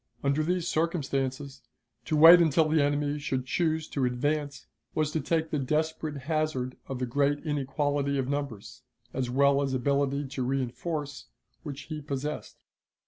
Under these circumstances, to wait until the enemy should choose to advance was to take the desperate hazard of the great inequality of numbers, as well as ability to reënforce, which he possessed.